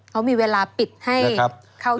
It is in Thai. เขามีเวลาปิดให้เขาเยี่ยม